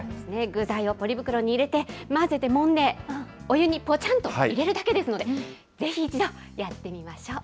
具材をポリ袋に入れて、混ぜてもんで、お湯にぽちゃんと入れるだけですので、ぜひ一度やってみましょう。